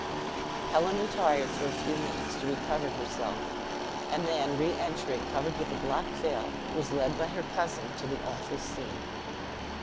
Helen retired for a few minutes to recover herself; and then re entering, covered with a black veil, was led by her cousin to the awful scene.